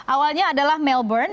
awalnya adalah melbourne